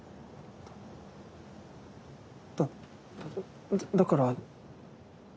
だだから。